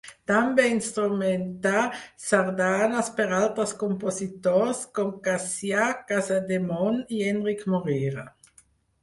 També instrumentà sardanes per altres compositors, com Cassià Casademont i Enric Morera.